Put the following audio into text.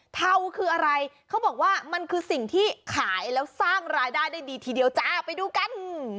เทาคืออะไรเขาบอกว่ามันคือสิ่งที่ขายแล้วสร้างรายได้ได้ดีทีเดียวจ้าไปดูกัน